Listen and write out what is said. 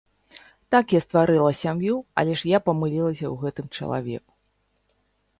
Так я стварыла сям'ю, але ж я памылілася ў гэтым чалавеку!